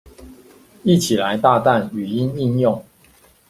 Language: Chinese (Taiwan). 一起來大啖語音應用